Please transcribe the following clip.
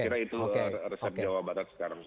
saya kira itu resep jawa barat sekarang